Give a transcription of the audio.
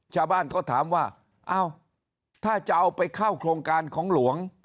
ชาวบ้านเขาถามว่าเอ้าถ้าจะเอาไปเข้าโครงการของหลวง